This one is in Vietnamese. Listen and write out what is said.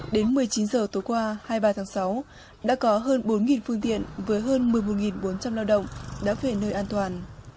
đến một mươi chín h tối qua hai mươi ba tháng sáu đã có hơn bốn phương tiện với hơn một mươi một bốn trăm linh lao động đã về nơi an toàn